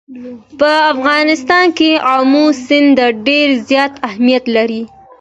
په افغانستان کې آمو سیند ډېر زیات اهمیت لري.